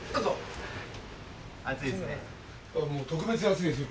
暑いですね。